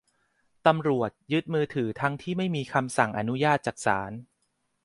ตำรวจยึดมือถือทั้งที่ไม่มีคำสั่งอนุญาตจากศาล